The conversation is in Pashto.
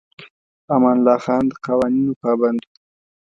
امان الله خان د قوانینو پابند و.